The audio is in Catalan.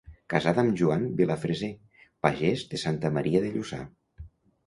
Casada amb Joan Vilafreser, pagès de Santa Maria de Lluçà.